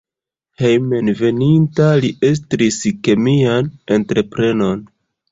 Hejmenveninta li estris kemian entreprenon.